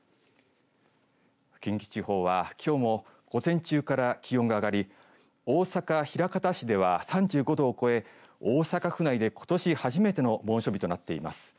近畿地方はきょうも午前中から気温が上がり大阪、枚方市では３５度を超え大阪府内でことし初めての猛暑日となっています。